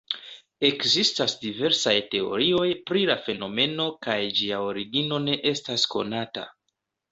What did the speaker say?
Ekzistas diversaj teorioj pri la fenomeno kaj ĝia origino ne estas konata.